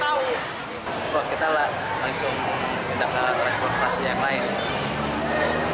kalau kita langsung pindah ke transportasi yang lain